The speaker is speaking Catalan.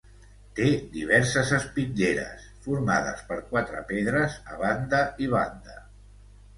Té diverses espitlleres, formades per quatre pedres a banda i banda.